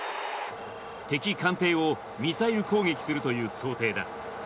敵艦艇をミサイル攻撃するという想定だ。